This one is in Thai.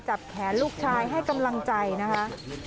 จับแขนลูกชายให้กำลังใจนะคะ